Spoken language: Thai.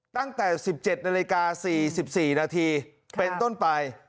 ตั้งแต่๑๗นาฬิกา๔๔นาทีเป็นต้นไป